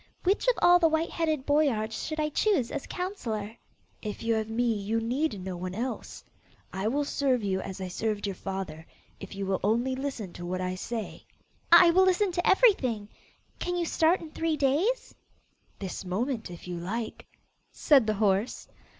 Which of all the white headed boyards shall I choose as counsellor?' 'If you have me, you need no one else: I will serve you as I served your father, if you will only listen to what I say.' 'I will listen to everything. Can you start in three days?' 'This moment, if you like,' said the horse.